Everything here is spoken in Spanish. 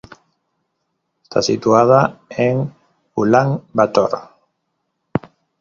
Está situada en Ulán Bator.